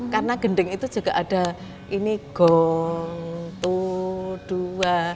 karena gending itu juga ada ini gong tu dua